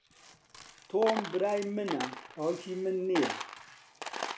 تۆم برای منە، باوکی من نییە.